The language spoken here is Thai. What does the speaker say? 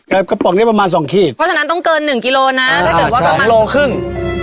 กระป๋องนี้ประมาณสองขีดเพราะฉะนั้นต้องเกินหนึ่งกิโลนะถ้าเกิดว่าประมาณโลครึ่ง